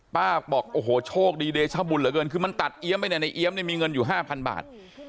บอกโอ้โหโชคดีเดชบุญเหลือเกินคือมันตัดเอี๊ยมไปเนี่ยในเอี๊ยมเนี่ยมีเงินอยู่๕๐๐บาท